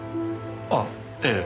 あっええ。